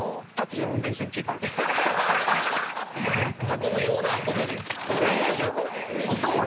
箱のような尾根で箱根というと。